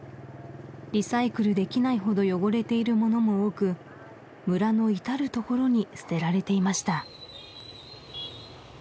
リサイクルできないほど汚れているものも多く村の至る所に捨てられていました